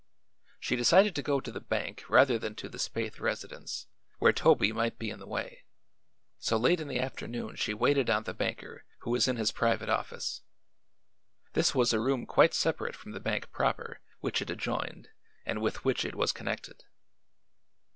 She decided to go to the bank rather than to the Spaythe residence, where Toby might be in the way, so late in the afternoon she waited on the banker, who was in his private office. This was a room quite separate from the bank proper, which it adjoined and with which it was connected.